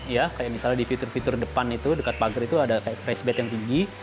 ya kayak misalnya di fitur fitur depan itu dekat pangker itu ada raised bed yang tinggi